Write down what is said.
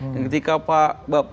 dan ketika bapak presiden mengundang